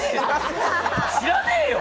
知らねえよ！